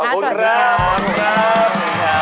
สวัสดีครับขอบคุณครับ